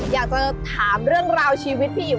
อยากจะถามเรื่องราวชีวิตพี่อิ๋